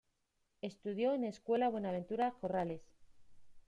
Estudió en Escuela Buenaventura Corrales.